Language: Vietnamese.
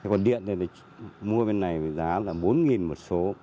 còn điện này mua bên này giá là bốn nghìn một số